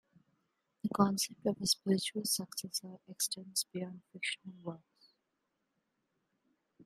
The concept of a "spiritual successor" extends beyond fictional works.